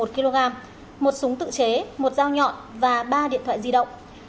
một kg một súng tự chế một dao nhọn và ba điện thoại di động